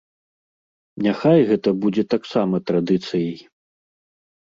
Няхай гэта будзе таксама традыцыяй.